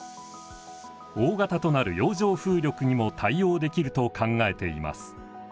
大型となる洋上風力にも対応できると考えています。